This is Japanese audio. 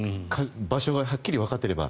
場所がはっきりわかっていれば。